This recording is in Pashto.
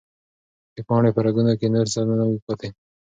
د پاڼې په رګونو کې نور څه نه وو پاتې.